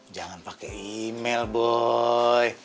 jangan pake email boy